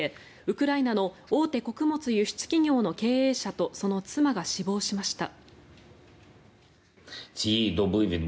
ウクライナの大手穀物輸出企業の経営者とその妻が死亡しました。